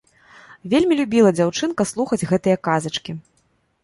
Вельмі любіла дзяўчынка слухаць гэтыя казачкі.